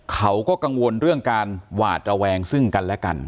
เขาก็กังวลเรื่องการหวาดระแวงซึ่งกันและกัน